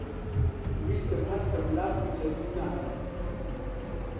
ویستم هەستم، لاقم لەدوو نەهات